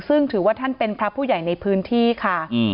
ซึ่งถือว่าท่านเป็นพระผู้ใหญ่ในพื้นที่ค่ะ